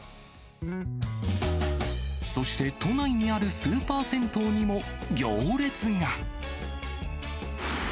そして都内にあるスーパー銭湯にも行列が。